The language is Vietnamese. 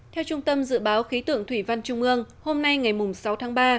theo trung tâm dự báo khí tượng thủy văn trung ương hôm nay ngày sáu tháng ba